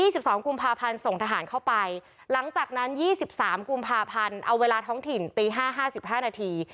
สิบสองกุมภาพันธ์ส่งทหารเข้าไปหลังจากนั้นยี่สิบสามกุมภาพันธ์เอาเวลาท้องถิ่นตีห้าห้าสิบห้านาที